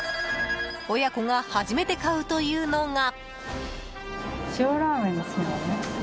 親子が初めて買うというのが。